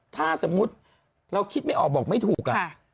ถ้าสมมุติเราคิดไม่ออกบอกไม่ถูก